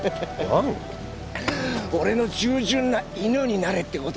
俺の従順な犬になれって事だよ。